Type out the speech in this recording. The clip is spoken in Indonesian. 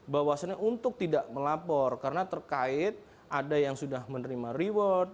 bahwasannya untuk tidak melapor karena terkait ada yang sudah menerima reward